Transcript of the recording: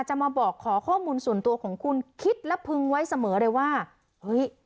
มาบอกขอข้อมูลส่วนตัวของคุณคิดและพึงไว้เสมอเลยว่าเฮ้ย